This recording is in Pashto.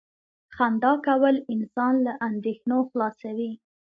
• خندا کول انسان له اندېښنو خلاصوي.